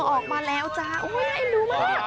ออกมาแล้วจ้าวันอีกแล้วโอ้ยน่ารู้มะ